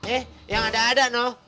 eh yang ada ada no